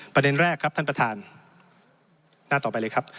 ประเด็นแรกครับท่านประธานหน้าต่อไปเลยครับ